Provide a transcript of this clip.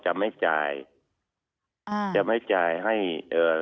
จะไม่จ่ายอ่าจะไม่จ่ายให้เอ่อ